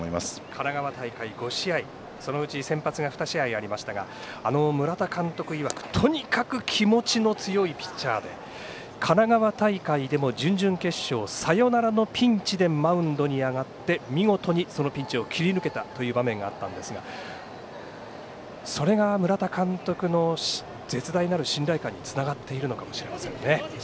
神奈川大会５試合そのうち先発が２試合ありましたが村田監督いわくとにかく気持ちの強いピッチャーで、神奈川大会でも準々決勝、サヨナラのピンチでマウンドに上がって見事にそのピンチを切り抜けたという場面があったんですがそれが村田監督の絶大なる信頼感につながっているのかもしれないですね。